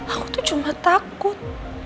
aku tuh cuma takut